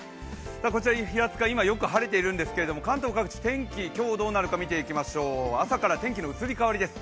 こちら平塚、今、よく晴れているんですけど、関東各地、天気、今日どうなるか見ていきましょう、天気の移り変わりです。